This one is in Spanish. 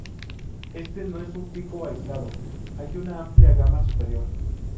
Este no es un pico aislado, hay una amplia gama superior.